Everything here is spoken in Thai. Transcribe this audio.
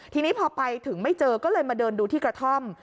ทีนี้พอไปถึงไม่เจอก็เลยมาเดินดูที่กระท่อม